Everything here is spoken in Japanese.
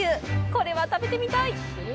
コレは食べてみたい！